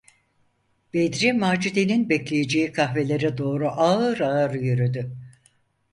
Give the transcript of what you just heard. Bedri Macide’nin bekleyeceği kahvelere doğru ağır ağır yürüdü.